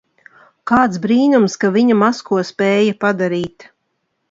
Kāds brīnums, ka viņa maz ko spēja padarīt?